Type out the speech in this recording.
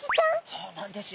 そうなんです。